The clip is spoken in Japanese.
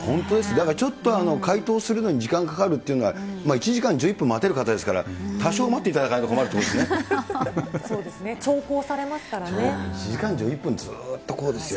だからちょっとかいとうするのに時間かかるっていうのは、１時間１１分待てる方ですから、多少待っていただかないと困るってことそうですね、長考されますか１時間１１分、ずっとこうですよ。